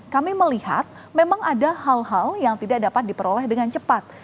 kami melihat memang ada hal hal yang tidak dapat diperoleh dengan cepat